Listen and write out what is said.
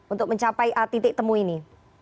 untuk mencapai titik temu ini